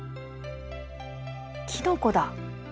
キノコだ。